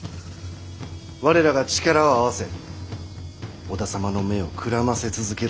我らが力を合わせ織田様の目をくらませ続けるのじゃ。